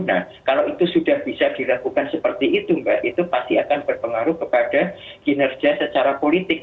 nah kalau itu sudah bisa dilakukan seperti itu mbak itu pasti akan berpengaruh kepada kinerja secara politik